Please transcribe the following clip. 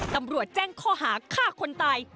ตำรวจแจ้งข้อหาฆ่าคนตาย